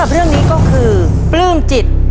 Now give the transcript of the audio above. บรื้มจิต